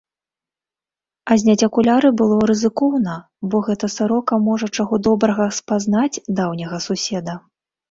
А зняць акуляры было рызыкоўна, бо гэта сарока можа, чаго добрага, спазнаць даўняга суседа.